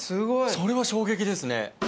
それは衝撃ですね！